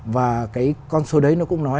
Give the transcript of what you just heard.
và cái con số đấy nó cũng nói